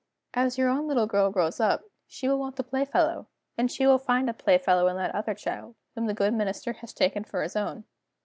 "As your own little girl grows up, she will want a playfellow. And she will find a playfellow in that other child, whom the good Minister has taken for his own."